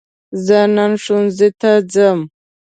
زه نن ښوونځي ته ځم